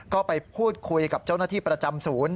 ก็ไปพูดคุยกับเจ้าหน้าที่ประจำศูนย์